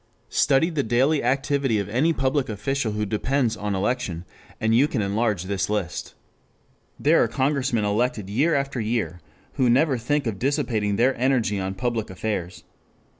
Study the daily activity of any public official who depends on election and you can enlarge this list. There are Congressmen elected year after year who never think of dissipating their energy on public affairs.